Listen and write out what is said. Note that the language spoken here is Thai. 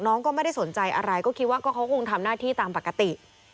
น้องก็ไม่ได้สนใจอะไรก็คิดว่าก็เขาคงทำหน้าที่ตามปกติ